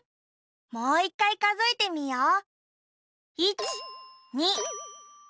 もう１かいかぞえてみよう。